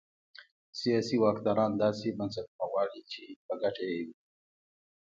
سیاسي واکداران داسې بنسټونه غواړي چې په ګټه یې وي.